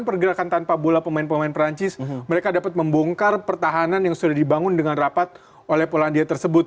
dan pergerakan tanpa bola pemain pemain perancis mereka dapat membongkar pertahanan yang sudah dibangun dengan rapat oleh polandia tersebut